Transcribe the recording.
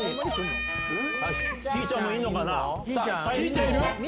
ひーちゃんもいるのかな？